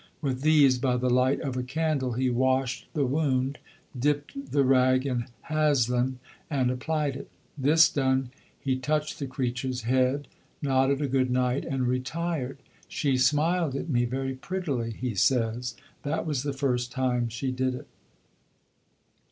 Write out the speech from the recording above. With these, by the light of a candle, he washed the wound, dipped the rag in hazeline, and applied it. This done, he touched the creature's head, nodded a good night and retired. "She smiled at me very prettily," he says. "That was the first time she did it."